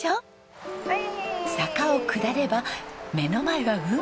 坂を下れば目の前は海。